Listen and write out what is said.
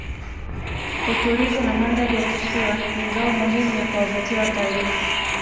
utulivu na mandhari ya kisiwa ni ngao muhimu ya kuwavuta watalii